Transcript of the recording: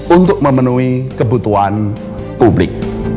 untuk memenuhi kebutuhan publik